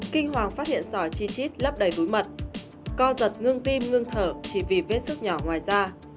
kinh hoàng phát hiện sỏi chi chít lấp đầy đối mật co giật ngưng tim ngưng thở chỉ vì vết sức nhỏ ngoài da